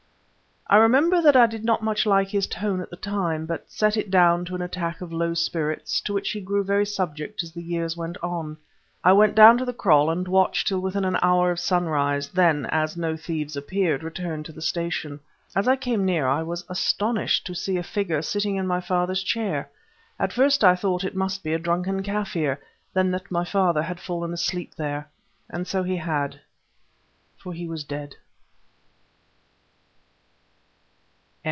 I remember that I did not much like his tone at the time, but set it down to an attack of low spirits, to which he grew very subject as the years went on. I went down to the kraal and watched till within an hour of sunrise; then, as no thieves appeared, returned to the station. As I came near I was astonished to see a figure sitting in my father's chair. At first I thought it must be a drunken Kaffir, then that my father had fallen asleep there. And so he had,—for he was dead!